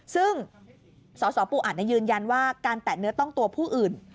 ซึ่งสสปูอัดยืนยันว่าการแตะเนื้อต้องตัวผู้อื่น